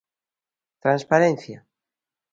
"Transparencia".